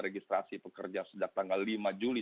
registrasi pekerja sejak tanggal lima juli